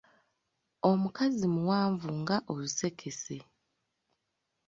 Omukazi muwanvu nga Olusekese.